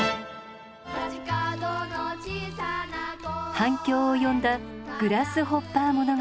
反響を呼んだ「グラスホッパー物語」。